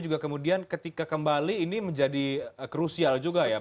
karena ketika kembali ini menjadi krusial juga ya pak